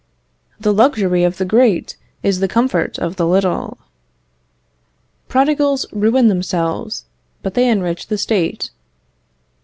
"The luxury of the great is the comfort of the little." "Prodigals ruin themselves, but they enrich the State."